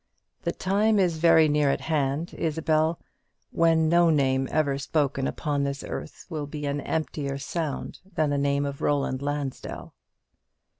The time is very near at hand, Isabel, when no name ever spoken upon this earth will be an emptier sound than the name of Roland Lansdell."